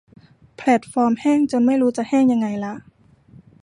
แพลตฟอร์มแห้งจนไม่รู้จะแห้งยังไงละ